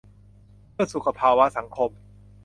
'เพื่อสุขภาวะสังคม'